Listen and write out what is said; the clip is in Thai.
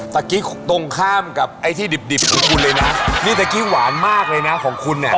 เมื่อกี้ตรงข้ามกับไอ้ที่ดิบดิบของคุณเลยนะนี่ตะกี้หวานมากเลยนะของคุณเนี่ย